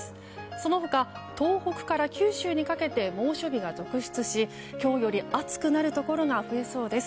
その他、東北から九州にかけて猛暑日が続出し今日より暑くなるところが増えそうです。